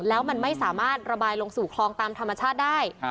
แล้วมันไม่สามารถระบายลงสู่คลองตามธรรมชาติได้